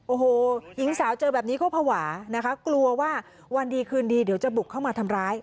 โอ้โหหญิงสาวเจอแบบนี้ก็ภาวะนะคะกลัวว่าวันดีคืนดีเดี๋ยวจะบุกเข้ามาทำร้าย